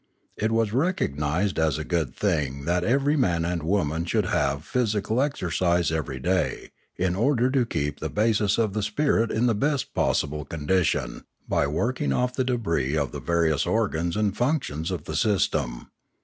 It was recognised as a good thing that every man and woman should have physical exercise every day in order to keep the basis of the spirit in the best possible condition, by working off the d6bris of the various organs and functions of the system.